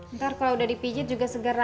ntar kalau udah dipijit juga segera ya